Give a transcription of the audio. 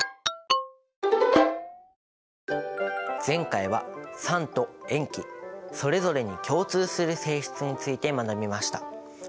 前回は酸と塩基それぞれに共通する性質について学びました。